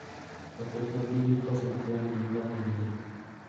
Los textos bíblicos se emplean de manera prominente.